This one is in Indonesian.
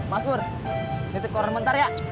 mas pur nitip koran mentar ya